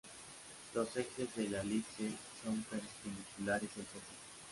Los ejes de la elipse son perpendiculares entre sí.